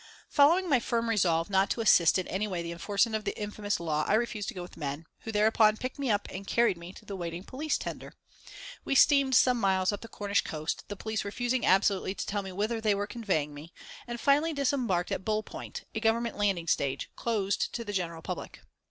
Following my firm resolve not to assist in any way the enforcing of the infamous law, I refused to go with the men, who thereupon picked me up and carried me to the waiting police tender. We steamed some miles up the Cornish coast, the police refusing absolutely to tell me whither they were conveying me, and finally disembarked at Bull Point, a Government landing stage, closed to the general public.